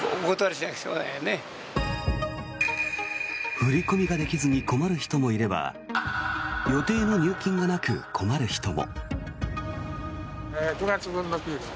振り込みができずに困る人もいれば予定の入金がなく困る人も。